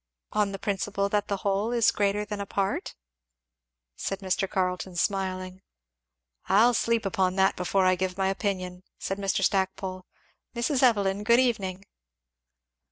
"On the principle that the whole is greater than a part?" said Mr. Carleton smiling. "I'll sleep upon that before I give my opinion," said Mr. Stackpole. "Mrs. Evelyn, good evening!